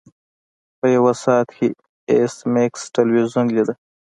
په یو ساعت کې ایس میکس تلویزیون لیده